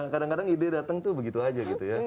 kadang kadang ide datang tuh begitu aja gitu ya